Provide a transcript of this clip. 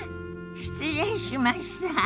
失礼しました。